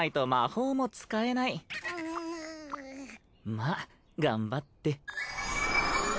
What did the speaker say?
まあ頑張って。